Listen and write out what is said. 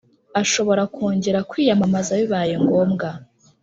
ashobora kongera kwiyamamaza bibaye ngombwa